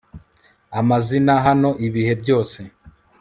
amazina hano ibihe byose